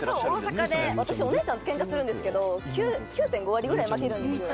私、お姉ちゃんとけんかするんですけど、９．５割ぐらい負けるんですよ。